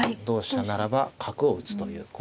同飛車ならば角を打つという。